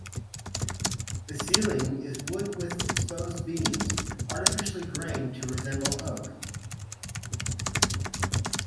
The ceiling is wood with exposed beams artificially grained to resemble oak.